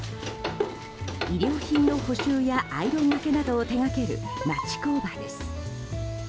衣料品の補修やアイロンがけなどを手掛ける町工場です。